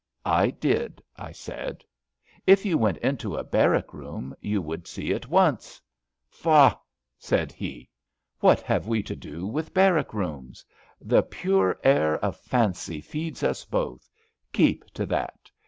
I did," I said. If you went into a barrack room you would see at once. "Faugh I '' said he. ^* What have we to do with barrack rooms? The pure air of fancy feeds us both; keep to that.